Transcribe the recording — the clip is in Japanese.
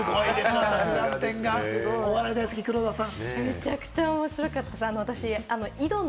すごい、お笑い大好き黒田さん。